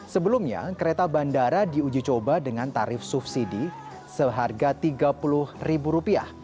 sebelumnya kereta bandara diuji coba dengan tarif subsidi seharga rp tiga puluh